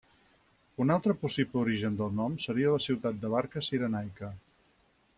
Un altre possible origen del nom seria la ciutat de Barca a Cirenaica.